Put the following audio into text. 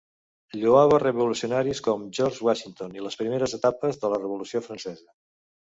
Lloava revolucionaris com George Washington i les primeres etapes de la Revolució Francesa.